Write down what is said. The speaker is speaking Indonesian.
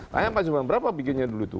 tanya pak yusman berapa bikinnya dulu itu